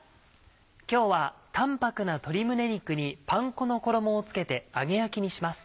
今日は淡泊な鶏胸肉にパン粉の衣を付けて揚げ焼きにします。